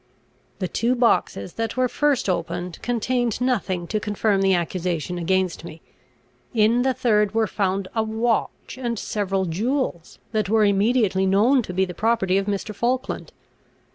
The two boxes that were first opened, contained nothing to confirm the accusation against me; in the third were found a watch and several jewels, that were immediately known to be the property of Mr. Falkland.